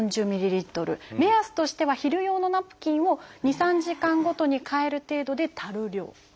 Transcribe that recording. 目安としては昼用のナプキンを２３時間ごとに替える程度で足る量。